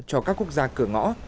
cho các quốc gia cửa ngõ